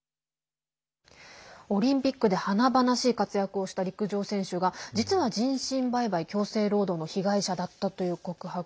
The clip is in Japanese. オリンピックで華々しい活躍をした陸上選手が実は人身売買、強制労働の被害者だったという告白